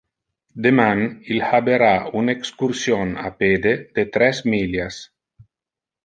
Deman il habera un excursion a pede de tres millias.